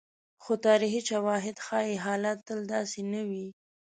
خو تاریخي شواهد ښيي، حالت تل داسې نه وي.